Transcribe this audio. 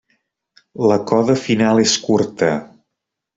La coda final és curta.